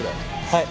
はい。